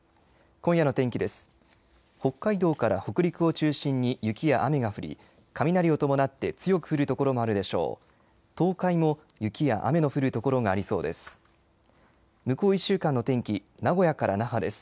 今夜の天気です。